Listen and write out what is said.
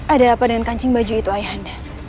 ada apa dengan kancing baju itu ayah anda